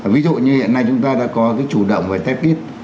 ví dụ như hiện nay chúng ta đã có cái chủ động về tepid